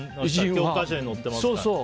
教科書に載ってますからね。